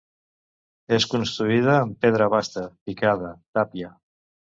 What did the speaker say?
És construïda amb pedra basta, picada, tàpia.